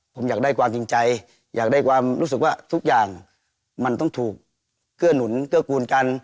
ผมอยากได้ความจริงใจอยากได้ความรู้สึกว่าทุกอย่างมันต้องถูกเกื้อหนุนเกื้อกูลกัน